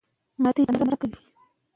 جګړه د ملت شاتګ رامنځته کوي.